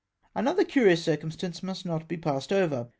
Another curious circumstance must not be , passed over.